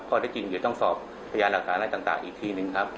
ก็ได้จริงอย่าต้องสอบพยานอาการอาจารย์ต่างอีกทีนึงครับ